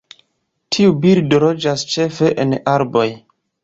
Tiu birdo loĝas ĉefe en arboj.